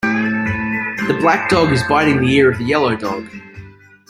The black dog is biting the ear of the yellow dog.